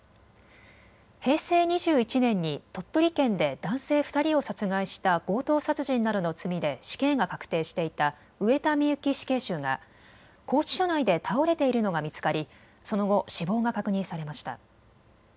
平成２１年に鳥取県で男性２人を殺害した強盗殺人などの罪で死刑が確定していた上田美由紀死刑囚が拘置所内で倒れているのが見つかりその後、死亡が確認されました。